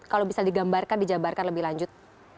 kalau bisa digambarkan dijabarkan lebih lanjut